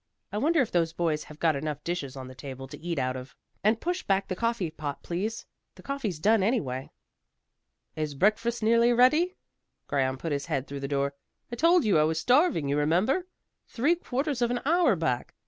I wonder if those boys have got enough dishes on the table to eat out of. And push back the coffee pot please. The coffee's done, anyway." "Is breakfast nearly ready?" Graham put his head through the door. "I told you I was starving you remember, three quarters of an hour back.